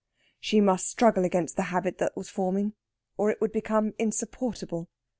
She must struggle against the habit that was forming, or it would become insupportable.